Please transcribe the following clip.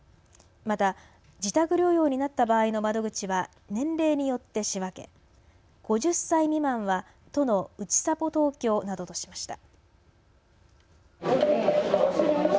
また、自宅療養になった場合の窓口は年齢によって仕分け５０歳未満は都のうちさぽ東京などとしました。